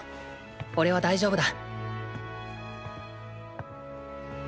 おれは大丈夫だ。